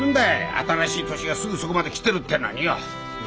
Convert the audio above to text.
新しい年がすぐそこまで来てるってのによ。